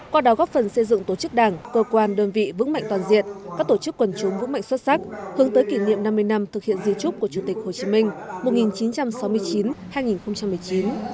qua đó góp phần xây dựng tổ chức đảng cơ quan đơn vị vững mạnh toàn diện các tổ chức quần chúng vững mạnh xuất sắc hướng tới kỷ niệm năm mươi năm thực hiện di trúc của chủ tịch hồ chí minh một nghìn chín trăm sáu mươi chín hai nghìn một mươi chín